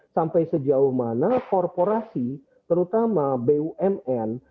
sampai sejauh mana korporasi terutama bumn